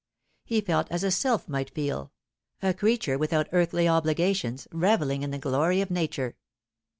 He felt as a sylph might feel a creature without earthly obligations, revelling in the glory of Nature.